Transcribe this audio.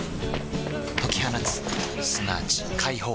解き放つすなわち解放